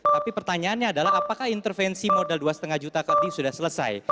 tapi pertanyaannya adalah apakah intervensi modal dua lima juta cotting sudah selesai